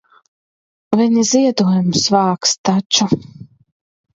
Viņi ziedojumus vāks taču.